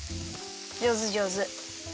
じょうずじょうず。